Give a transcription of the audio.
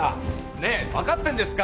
ねえわかってんですか？